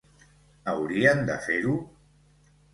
Haurien de fer-ho?